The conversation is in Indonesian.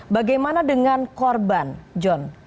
bagaimana dengan korban john